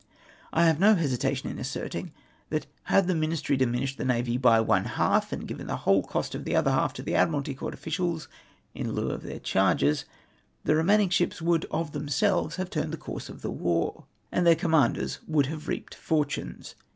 I have no hesitation in asserting that had tlie Ministry diminished the navy one half, and given the whole cost of the other half to the Admiralty Court officials in Ueu of their charges, the remaining ships would of themselves have turned the course of the war, and their commanders would have reaped fortunes.